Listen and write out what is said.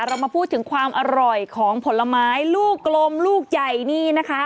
เรามาพูดถึงความอร่อยของผลไม้ลูกกลมลูกใหญ่นี่นะคะ